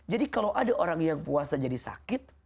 jadi kalau ada orang yang puasa jadi sakit